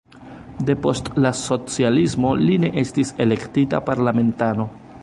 Depost la socialismo li ne estis elektita parlamentano.